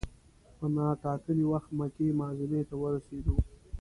په نا ټا کلي وخت مکې معظمې ته ورسېدو.